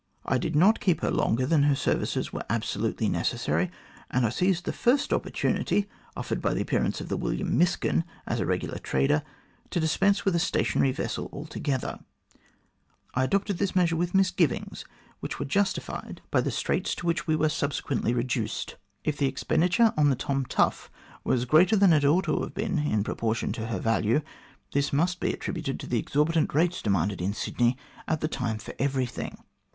I did not keep her longer than her services were absolutely necessary, and I seized the first opportunity, offered by the appearance of the William Miskin as a regular trader, to dispense with a stationary vessel altogether. I adopted this measure with misgivings, which were justified by the THE CORRESPONDENCE OF SIR MAURICE O'CONNELL 143 straits to which we were subsequently reduced. If the expenditure on the Tom Tough was greater than it ought to have been in pro portion to her value, this must be attributed to the exorbitant rates demanded in Sydney at the time for everything.